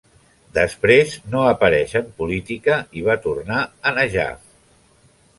Després no apareix en política i va tornar a Najaf.